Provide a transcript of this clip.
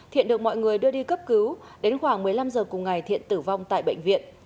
thiện được mọi người đưa đi cấp cứu đến khoảng một mươi năm h cùng ngày thiện tử vong tại bệnh viện